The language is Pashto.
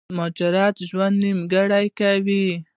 مهاجرت ژوند نيمګړی کوي